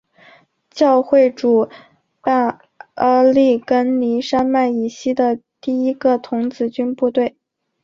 教会主办阿利根尼山脉以西的第一个童子军部队。